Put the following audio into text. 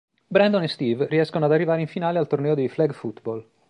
Brandon e Steve riescono ad arrivare in finale al torneo di flag football.